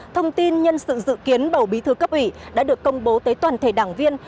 thông tin nhân sự dự kiến bầu bí thư cấp ủy đã được công bố tới toàn thể đảng viên